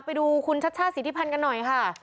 ไปดูคุณชัชชาติสิทธิพันธ์กันหน่อยค่ะ